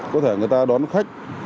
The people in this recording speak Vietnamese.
có thể người ta đón khách